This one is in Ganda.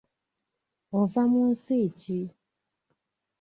Ova mu nsi ki?